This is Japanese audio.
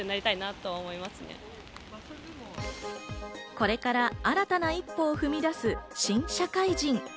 これから新たな一歩を踏み出す新社会人。